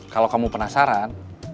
kalau kamu penasaran